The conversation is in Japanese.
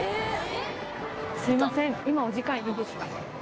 すいません。